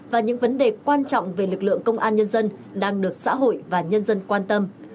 và những vấn đề quan trọng về lực lượng công an nhân dân đang được xã hội và nhân dân quan tâm